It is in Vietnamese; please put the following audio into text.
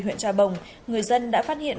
huyện trà bồng người dân đã phát hiện